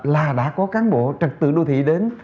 là đã có cán bộ trật tự đô thị đến